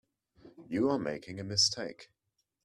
You are making a mistake.